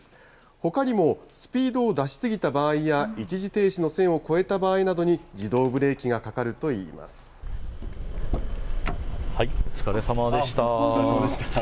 ほかにもスピードを出しすぎた場合や、一時停止の線を越えた場合などに、自動ブレーキがかかるとお疲れさまでした。